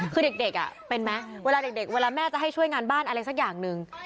คือเด็กเป็นไหมเวลาเด็กเวลาแม่จะให้ช่วยงานบ้านอะไรสักอย่างหนึ่ง